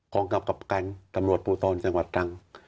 ของกับกับการสำรวจปูธรจังหวัดทาง